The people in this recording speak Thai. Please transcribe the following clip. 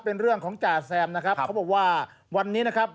เป็นเรื่องของจ่าแซมนะครับเขาบอกว่าวันนี้นะครับ